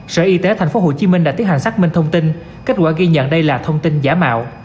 sở y tế tp hcm đã tiến hành xác minh thông tin kết quả ghi nhận đây là thông tin giả mạo